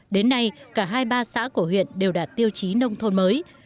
đến nay cả hai ba xã của huyện đều đạt tiêu chí nông thôn mới